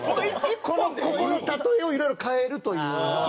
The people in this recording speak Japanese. ここの例えをいろいろ変えるという一本。